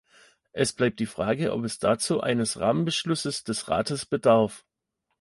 Es bleibt die Frage, ob es dazu eines Rahmenbeschlusses des Rates bedarf.